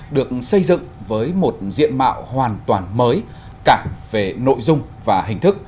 được xây dựng với một diện mạo hoàn toàn mới cả về nội dung và hình thức